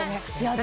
私